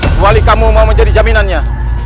kecuali kamu mau menjadi jaminannya